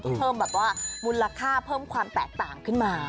เพิ่มแบบว่ามูลค่าเพิ่มความแตกต่างขึ้นมา